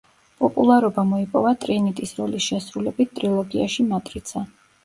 პოპულარობა მოიპოვა ტრინიტის როლის შესრულებით ტრილოგიაში „მატრიცა“.